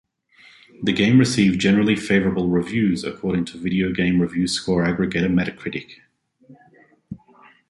The game received "generally favorable" reviews, according to video game review score aggregator Metacritic.